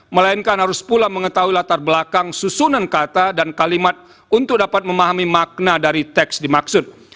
melainkan harus pula mengetahui latar belakang susunan kata dan kalimat untuk dapat memahami makna dari teks dimaksud